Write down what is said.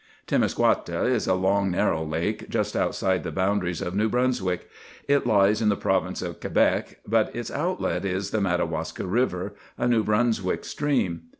Temiscouata is a long, narrow lake just outside the boundaries of New Brunswick. It lies in the Province of Quebec; but its outlet is the Madawaska River, a New Brunswick stream.